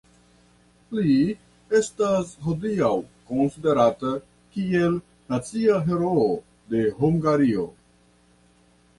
Li estas hodiaŭ konsiderata kiel nacia heroo de Hungario.